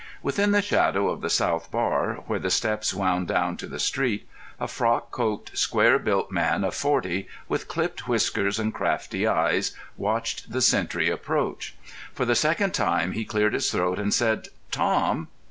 Within the shadow of the South Bar, where the steps wound down to the street, a frock coated, square built man of forty, with clipped whiskers and crafty eyes, watched the sentry approach. For the second time he cleared his throat and said "Tom!"